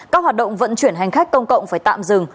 các hoạt động vận chuyển hành khách công cộng phải tạm dừng